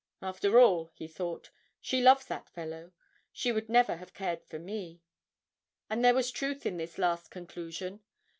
'After all,' he thought, 'she loves that fellow. She would never have cared for me.' And there was truth in this last conclusion.